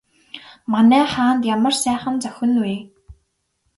Манай хаанд ямар сайхан зохино вэ?